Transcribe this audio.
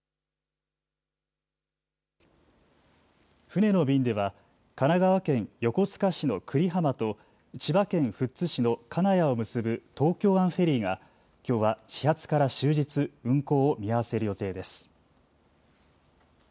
船の便では神奈川県横須賀市の久里浜と千葉県富津市の金谷を結ぶ東京湾フェリーがきょうは始発から終日運航を見合わせる予定です。